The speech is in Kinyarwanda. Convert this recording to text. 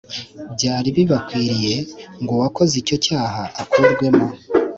byari bibakwiriye ngo uwakoze icyo cyaha akurwemo